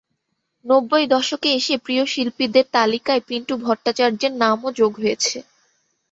নব্বই দশকে এসে প্রিয় শিল্পীদের তালিকায় পিন্টুু ভট্টাচার্যের নামও যোগ হয়েছে।